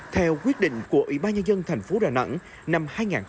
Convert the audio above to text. theo quyết định của ủy ban nhân dân thành phố đà nẵng năm hai nghìn tám